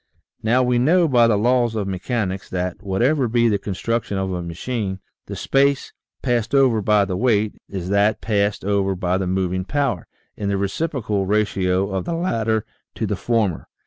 Now, we know, by the laws of mechanics, that, whatever be the construction of a machine, the space passed over by the weight, is to that passed over by the moving power, in the reciprocal ratio of the latter to the former.